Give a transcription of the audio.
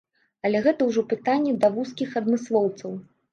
Але гэта ўжо пытанне да вузкіх адмыслоўцаў.